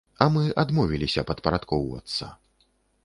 А мы адмовіліся падпарадкоўвацца.